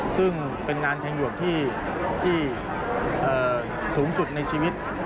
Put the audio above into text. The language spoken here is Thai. ซึ่งเป็นงานแทงหยวกที่สูงสุดในชีวิต